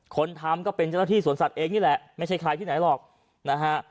คนทำก็เป็นเจ้าหน้าที่สวนสัตว์เองนี่แหละไม่ใช่ใครที่ไหนหรอกนะฮะ